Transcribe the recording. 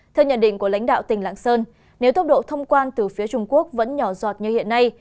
theo nhận định của lãnh đạo tỉnh lạng sơn nếu tốc độ thông quan từ phía trung quốc vẫn nhỏ giọt như hiện nay